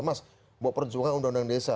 mas bawa perjuangan undang undang desa